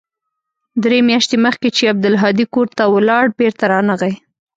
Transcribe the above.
درې مياشتې مخکې چې عبدالهادي کور ته ولاړ بېرته رانغى.